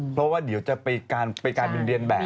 เพราะว่าเดี๋ยวจะไปกลายเป็นเรียนแบบ